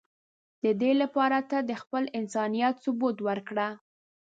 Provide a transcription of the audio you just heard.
د دی لپاره ته د خپل انسانیت ثبوت ورکړه.